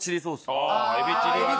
ああエビチリ。